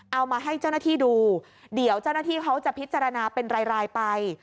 เอามาให้เจ้าหน้าที่ดูเดี๋ยวเจ้าหน้าที่เขาจะพิจารณาเป็นรายไป